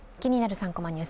３コマニュース」